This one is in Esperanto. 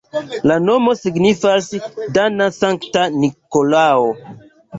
La nomo signifas dana-Sankta Nikolao.